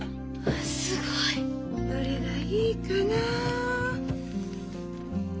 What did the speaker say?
すごい。どれがいいかなあ。